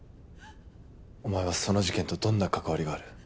おまえはその事件とどんな関わりがある。